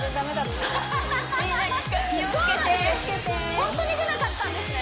ホントに出なかったんですね